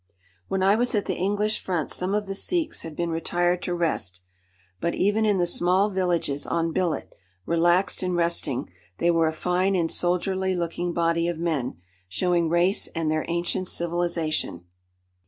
When I was at the English front some of the Sikhs had been retired to rest. But even in the small villages on billet, relaxed and resting, they were a fine and soldierly looking body of men, showing race and their ancient civilisation.